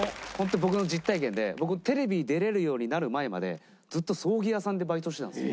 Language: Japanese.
僕の実体験で僕テレビ出れるようになる前までずっと葬儀屋さんでバイトしてたんですよ。